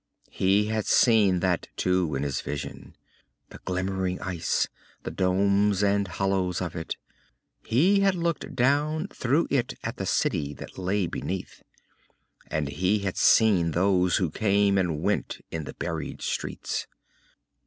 He had seen that, too, in his vision. The glimmering ice, the domes and hollows of it. He had looked down through it at the city that lay beneath, and he had seen those who came and went in the buried streets.